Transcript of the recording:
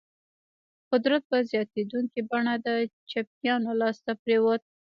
قدرت په زیاتېدونکي بڼه د چپیانو لاس ته پرېوت.